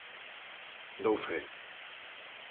Dou fe.